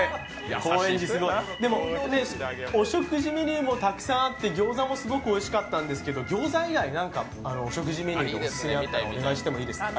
お食事メニューもたくさんあって餃子もおいしかったんですけど餃子以外、何かお食事メニューオススメあったらお願いしてもいいですか？